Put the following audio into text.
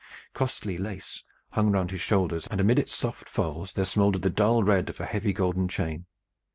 Costly lace hung round his shoulders, and amid its soft folds there smoldered the dull red of a heavy golden chain.